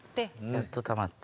やっと貯まって。